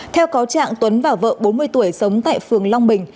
theo cáo trạng tuấn và vợ bốn mươi tuổi sống tại phường long bình